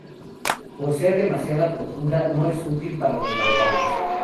Por ser demasiada profunda no es útil para los navegantes.